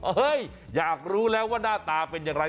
อยากรู้แล้วว่าหน้าตาเป็นอย่างไร